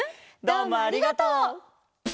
どうもありがとう。